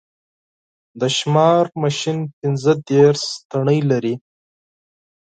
د شمېر ماشین پینځه دېرش تڼۍ لري